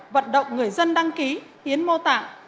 vận động người dân đăng ký hiến mô tạng